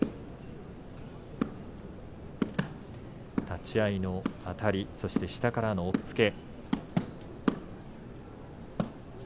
立ち合いのあたりそして下からの押っつけ。